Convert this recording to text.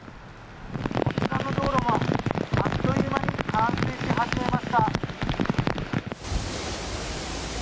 こちらの道路もあっという間に冠水し始めました。